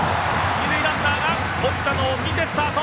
二塁ランナー、落ちたのを見てスタート！